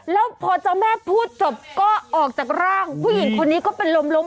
แล้วพอเจ้าแม่พูดจบก็ออกจากร่างผู้หญิงคนนี้ก็เป็นลมล้ม